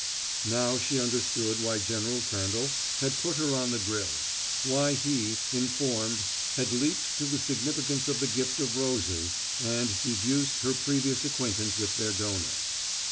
Now she understood why General Crandall had put her on the grill why he, informed, had leaped to the significance of the gift of roses and deduced her previous acquaintance with their donor.